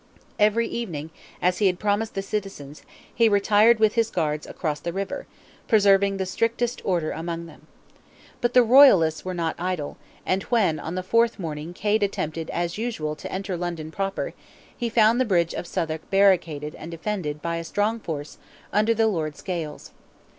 Every evening, as he had promised the citizens, he retired with his guards across the river, preserving the strictest order among them. But the royalists were not idle, and when, on the fourth morning Cade attempted as usual to enter London proper, he found the bridge of Southwark barricaded and defended by a strong force under the Lord Scales.